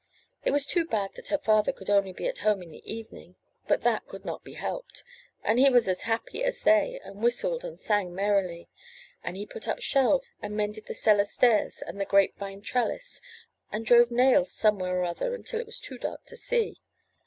It was too bad that her father could only be at home in the evening, but that could not be helped, and he was as happy as they, and whistled and sang merrily; and he put up shelves and mended the cellar stairs and the grape vine trellis, and drove nails some where or other until it was too dark to see.